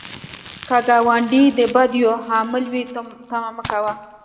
که ګاونډی د بدیو عامل وي، ته مه کوه